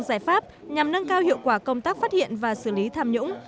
giải pháp nhằm nâng cao hiệu quả công tác phát hiện và xử lý tham nhũng